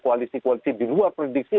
koalisi koalisi di luar prediksi